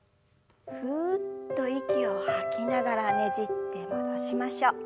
ふっと息を吐きながらねじって戻しましょう。